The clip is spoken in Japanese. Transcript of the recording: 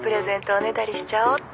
おねだりしちゃおっと。